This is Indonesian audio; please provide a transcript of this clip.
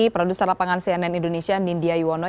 produser lapangan cnn indonesia nindya yuwono